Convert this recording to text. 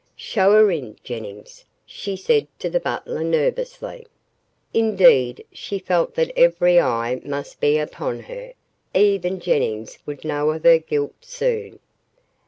"Show her in, Jennings," she said to the butler nervously. Indeed, she felt that every eye must be upon her. Even Jennings would know of her guilt soon.